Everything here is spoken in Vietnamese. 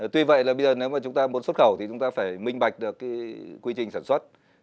tuy vậy là bây giờ nếu mà chúng ta muốn xuất khẩu thì chúng ta phải minh bạch được cái quy trình sản xuất